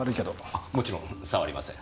あもちろん触りません。